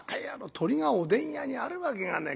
鳥がおでん屋にあるわけがねえ。